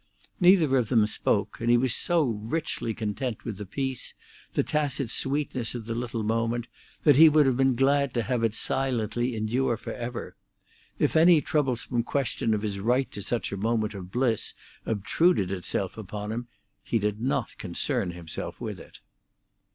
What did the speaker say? Neither of them spoke, and he was so richly content with the peace, the tacit sweetness of the little moment, that he would have been glad to have it silently endure forever. If any troublesome question of his right to such a moment of bliss obtruded itself upon him, he did not concern himself with it.